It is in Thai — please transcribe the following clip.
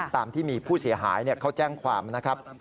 ตามที่มีผู้เสียหายเขาแจ้งความนะครับ